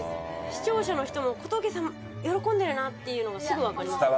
視聴者の人も小峠さん喜んでるなっていうのがすぐわかりますね。